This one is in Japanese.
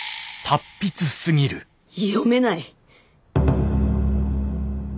読めない！